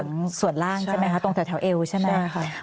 หลังส่วนล่างใช่ไหมคะตรงแต่แถวเอวใช่ไหม